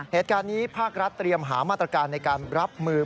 เหตุการณ์นี้ภาครัฐเตรียมหามาตรการในการรับมือ